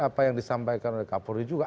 apa yang disampaikan oleh kapolri juga